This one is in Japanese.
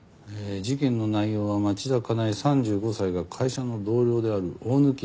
事件の内容は町田加奈江３５歳が会社の同僚である大貫陽子さん